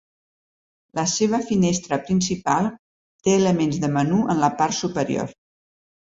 La seva finestra principal té elements de menú en la part superior.